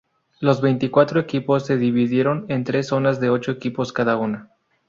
Los veinticuatro equipos se dividieron en tres zonas de ocho equipos cada una.